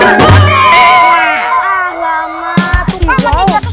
itu kamu di jatuh kakak